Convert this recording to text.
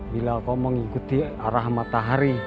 bila kau mengikuti arah matahari